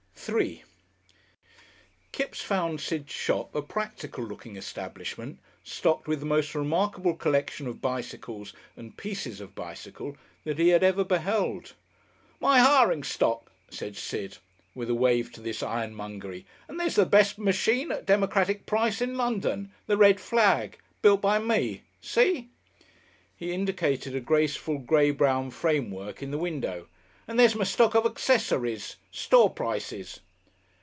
§3 Kipps found Sid's shop a practical looking establishment, stocked with the most remarkable collection of bicycles and pieces of bicycle that he had ever beheld. "My hiring stock," said Sid, with a wave to this ironmongery, "and there's the best machine at a democratic price in London, The Red Flag, built by me. See?" He indicated a graceful, grey brown framework in the window. "And there's my stock of accessories store prices.